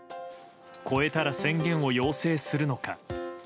超えたら宣言を要請するのか。